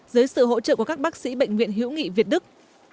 dưới sự hỗ trợ của các bác sĩ bệnh viện hữu nghị việt đức